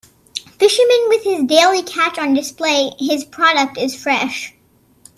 Fisherman with his daily catch on display, his product is fresh.